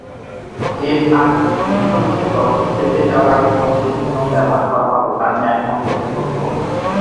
এর আগে বিভিন্ন দেশের দলকে খেলতে যাওয়ার আগে কোন দেশের নিয়ম ব্যবহার করা হবে তা নিয়ে একমত হতে হতো।